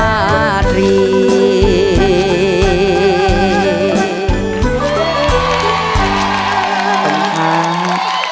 อยากขอร้องให้น้องเรียกพี่ฝืนใจหน่อย